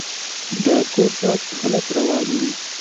د کور ساعت غلط روان و.